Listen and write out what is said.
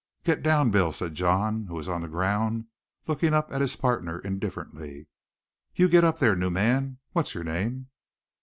"Get down, Bill," said John, who was on the ground looking up at his partner indifferently. "You get up there, new man. What's your name?"